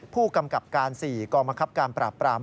ผู้กำกับการ๔กองบังคับการปราบปราม